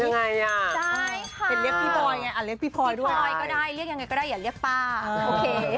ยังไงอ่ะเป็นเรียกพี่พลอยไงอ่ะเรียกพี่พลอยด้วยอ่ะได้ค่ะพี่พลอยก็ได้เรียกยังไงก็ได้อย่าเรียกป้าโอเค